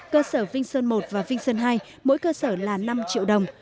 cơ sở vinh sơn i và vinh sơn ii mỗi cơ sở là năm triệu đồng